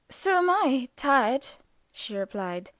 "So am I tired," she replied.